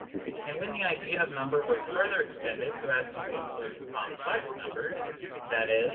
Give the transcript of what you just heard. And when the idea of number was further extended so as to include " complex " numbers, i.e.